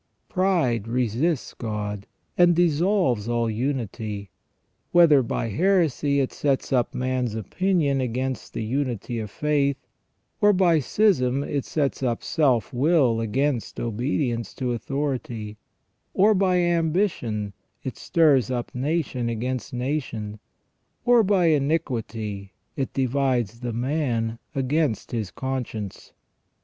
Pride resists God, and dissolves all unity ; whether by heresy it sets up man's opinion against the unity of faith ; or by schism it sets up self will against obedience to authority ; or by ambition it stirs up nation against nation ; or by iniquity it divides the man against his conscience.